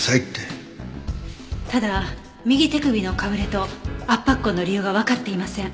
ただ右手首のかぶれと圧迫痕の理由がわかっていません。